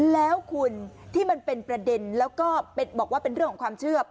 แล้วคุณที่มันเป็นประเด็นแล้วก็บอกว่าเป็นเรื่องของความเชื่อ